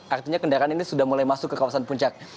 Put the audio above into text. artinya kendaraan ini sudah mulai masuk ke kawasan puncak